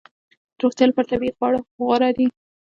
د روغتیا لپاره طبیعي خواړه غوره دي